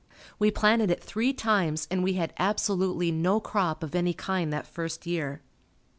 We planted it three times and we had absolutely no crop of any kind that first year.